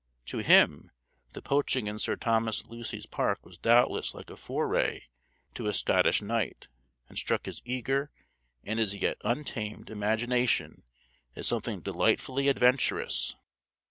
To him the poaching in Sir Thomas Lucy's park was doubtless like a foray to a Scottish knight, and struck his eager, and as yet untamed, imagination as something delightfully adventurous.